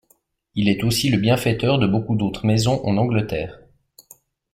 Il est aussi le bienfaiteur de beaucoup d'autres maisons en Angleterre.